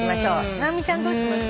直美ちゃんどうします？